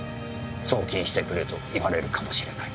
送金してくれと言われるかもしれない。